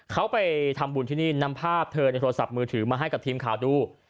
เขาไปทำบุญที่นี่นำภาพเธอในโทรศัพท์มือถือมาให้กับทีมข่าวดู